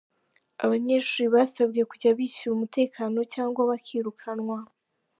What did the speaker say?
Abanyeshuri basabwe kujya bishyura umutekano cyangwa bakirukanwa